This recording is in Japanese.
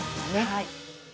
◆はい。